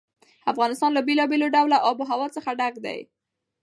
افغانستان له بېلابېلو ډوله آب وهوا څخه ډک دی.